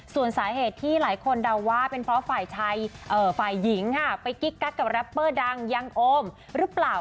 ส่วนสาเหตุที่หลายคนเดาว่าเป็นเพราะฝ่ายหญิงค่ะไปกิ๊กกักกับแรปเปอร์ดังยังโอมหรือเปล่า